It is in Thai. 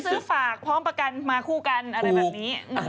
ซื้อฝากพร้อมประกันมาคู่กันอะไรแบบนี้